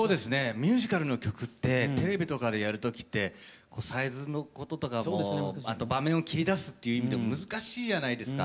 ミュージカルの曲ってテレビとかでやるときってサイズのこととかもあと場面を切り出すっていう意味でも難しいじゃないですか。